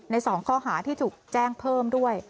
๒ข้อหาที่ถูกแจ้งเพิ่มด้วย